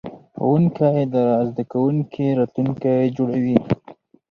ښوونکی د زده کوونکي راتلونکی جوړوي.